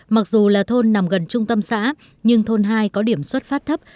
mặc dù là thôn nằm gần trung tâm xã nhưng thôn hai có điểm xuất phát thấp